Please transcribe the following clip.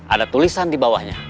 ada tulisan di bawahnya